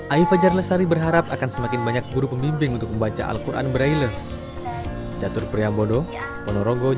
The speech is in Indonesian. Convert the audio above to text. ayu fajar lestari berharap akan semakin banyak guru pemimpin untuk membaca al quran braille